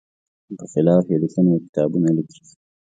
په خلاف یې لیکنې او کتابونه لیکي.